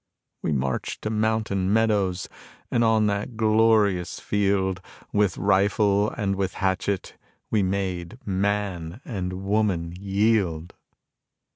We marched to Mountain Meadows and on that glorious field With rifle and with hatchet we made man and woman yield.